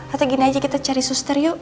atau gini aja kita cari suster yuk